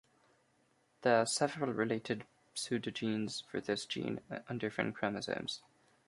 There are several related pseudogenes for this gene on different chromosomes.